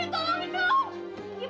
pengen liat dimas krib